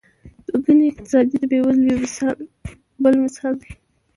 دوه ګونی اقتصاد د بېوزلۍ یو بل مثال دی.